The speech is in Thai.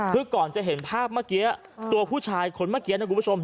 คือก่อนจะเห็นภาพเมื่อกี้ตัวผู้ชายคนเมื่อกี้นะคุณผู้ชม